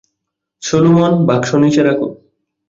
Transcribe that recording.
Solomon, বাক্স নিচে রাখো।